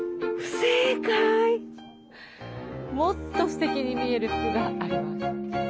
もっとすてきに見える服があります。